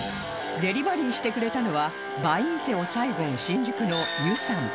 デリバリーしてくれたのはバインセオサイゴン新宿のユさん